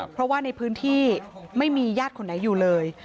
เพราะว่าในพื้นที่ไม่มีญาติคนไหนอยู่เลย